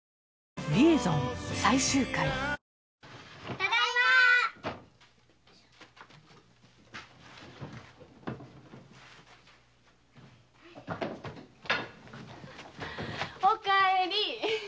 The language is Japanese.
ただいま！お帰り！